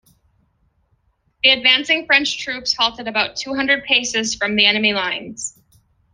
The advancing French troops halted about two hundred paces from the enemy lines.